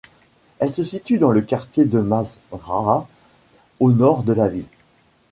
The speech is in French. Elle se situe dans le quartier de Mazraa au nord de la ville.